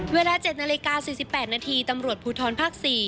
เวลา๗นาฬิกา๔๘นาทีตำรวจภูทรภาค๔